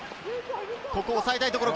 ここ抑えたいところ。